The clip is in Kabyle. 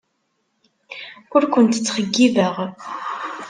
Ur kent-ttxeyyibeɣ.